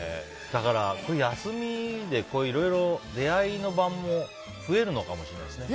だから、休みでいろいろ出会いの場も増えるのかもしれないですね。